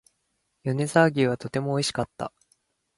米沢牛はとても美味しかった